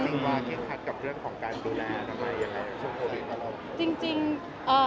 จริงว่าเคร่งคัดกับเรื่องของการดูแลทำไมยังไงช่วงโควิดเวลา